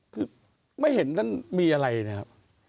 คือไม่เห็นนั่นมีอะไรนะครับ